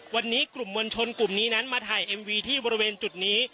วันนี้กลุ่มมวลชนกลุ่มนี้นั้นมาถ่ายเอ็มวีที่บริเวณจุดนี้